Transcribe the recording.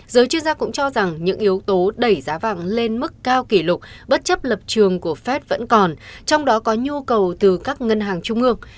giới chuyên gia cũng cho rằng những yếu tố đẩy giá vàng lên mức cao kỷ lục bất chấp lập trường của fed vẫn còn trong đó có nhu cầu từ các ngân hàng trung ương